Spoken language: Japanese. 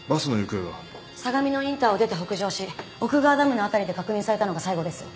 相模野インターを出て北上し奥川ダムの辺りで確認されたのが最後です。